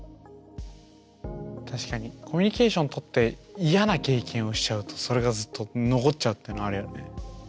確かにコミュニケーション取って嫌な経験をしちゃうとそれがずっと残っちゃうというのはあるよね。